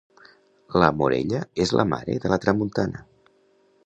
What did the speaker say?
La morella és la mare de la tramuntana.